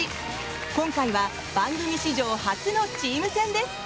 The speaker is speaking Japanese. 今回は番組史上初のチーム戦です。